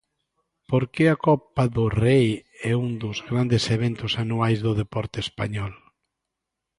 Porque a Copa do Rei é un dos grandes eventos anuais do deporte español.